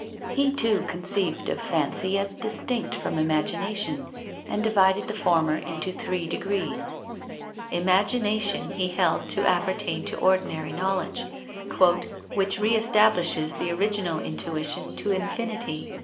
He too conceived of fancy as distinct from imagination, and divided the former into three degrees. Imagination he held to appertain to ordinary knowledge, "which re establishes the original intuition to infinity."